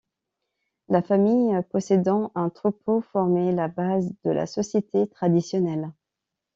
La famille possédant un troupeau formait la base de la société traditionnelle.